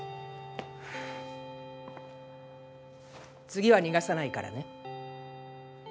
次は逃がさないからね。